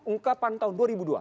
ungkapan tahun dua ribu dua